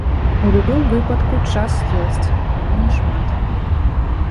У любым выпадку, час ёсць, але не шмат.